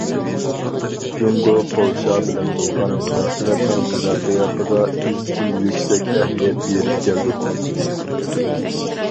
جۇڭگو پولشا بىلەن بولغان مۇناسىۋەتنىڭ تەرەققىياتىغا ئىزچىل يۈكسەك ئەھمىيەت بېرىپ كەلدى.